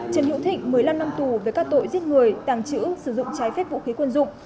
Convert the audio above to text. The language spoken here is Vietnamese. trần hữu thịnh một mươi năm năm tù về các tội giết người tàng trữ sử dụng trái phép vũ khí quân dụng